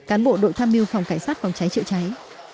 cán bộ đội tham mưu phòng cảnh sát phòng trái triệu trái